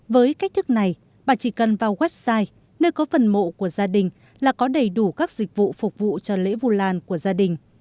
với cách thức này bà chỉ cần vào website nơi có phần mộ của gia đình là có đầy đủ các dịch vụ phục vụ cho lễ vu lan của gia đình